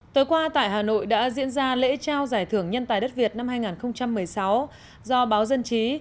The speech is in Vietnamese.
tối qua tại hà nội đã diễn ra lễ trao giải thưởng nhân tài đất việt năm hai nghìn một mươi sáu do báo dân chí